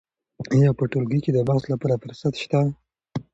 آیا په ټولګي کې د بحث لپاره فرصت شته؟